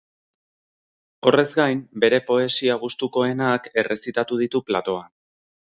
Horrez gain, bere poesia gustukoenak errezitatuko ditu platoan.